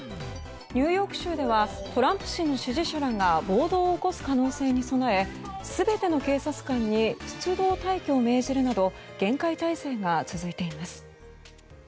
ニューヨーク州ではトランプ氏の支持者らが暴動を起こす可能性に備え全ての警察官に出動待機を命じるなど厳戒態勢が続いています。